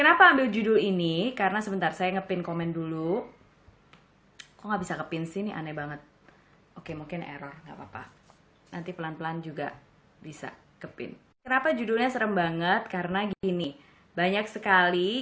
apalagi sekarang puasa